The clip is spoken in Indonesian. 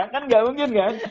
kan tidak mungkin